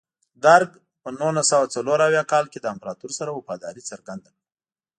درګ په نولس سوه څلور اویا کال کې له امپراتور سره وفاداري څرګنده کړه.